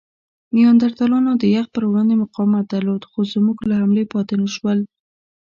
نیاندرتالانو د یخ پر وړاندې مقاومت درلود؛ خو زموږ له حملې پاتې نهشول.